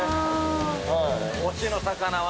推しの魚は？